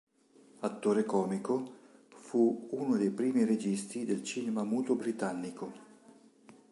Attore comico, fu uno dei primi registi del cinema muto britannico.